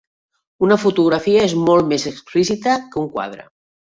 Una fotografia és molt més explícita que un quadre.